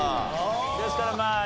ですからまあね